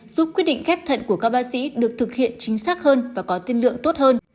giúp quyết định ghép thận của các bác sĩ được thực hiện chính xác hơn và có tiên lượng tốt hơn